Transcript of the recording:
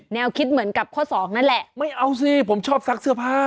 แนวคิดเหมือนกับข้อสองนั่นแหละไม่เอาสิผมชอบซักเสื้อผ้า